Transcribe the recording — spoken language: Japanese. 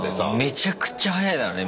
めちゃくちゃ速いだろうね